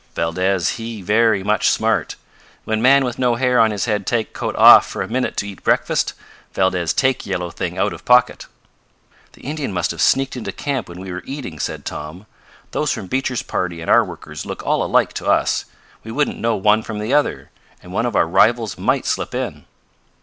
"Valdez he very much smart. When man with no hair on his head take coat off for a minute to eat breakfast Valdez take yellow thing out of pocket." "The Indian must have sneaked into camp when we were eating," said Tom. "Those from Beecher's party and our workers look all alike to us. We wouldn't know one from the other, and one of our rival's might slip in."